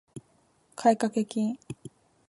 買掛金